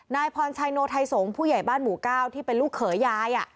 นายพรชัยโนไทยสงฆ์ผู้ใหญ่บ้านหมู่ก้าวที่เป็นลูกเขยยาย